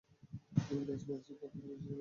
ব্যাস মরিচের ভর্তা পরিবেশনের জন্য রেডি।